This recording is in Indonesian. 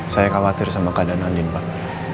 saya khawatir sama keadaan andin pak